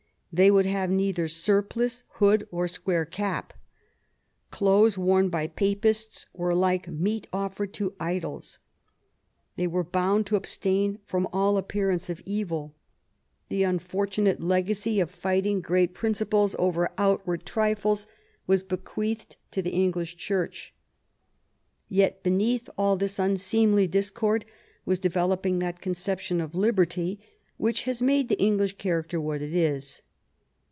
They would have neither surplice, hood, nor square cap. Clothes worn by Papists were like meat offered to idols: they were bound to abstain from all appearance of evil. The unfortunate legacy of fighting great principles over outward trifles was bequeathed to the English Church. Yet beneath all this unseemly discord was develop ing that conception of liberty which has made the English character what it is.